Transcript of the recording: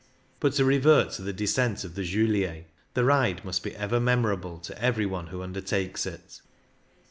But to revert to the descent of the Julier — the ride must be ever memorable to every one who undertakes it.